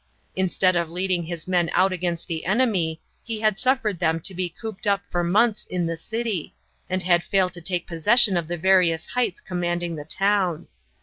Instead of leading his men out against the enemy, he had suffered them to be cooped up for months in the city, and had failed to take possession of the various heights commanding the town.